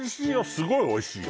すごいおいしいよ